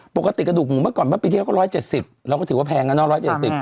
ปกติกระดูกหมูเมื่อก่อนปีที่เราก็คง๑๗๐เราก็ถือว่าแพงนะ